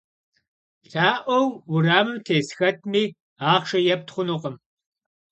Lha'ueu vueramım tês xetmi axhşşe yêpt xhunukhım.